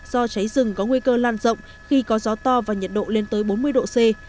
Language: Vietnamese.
do cháy rừng có nguy cơ lan rộng khi có gió to và nhiệt độ lên tới bốn mươi độ c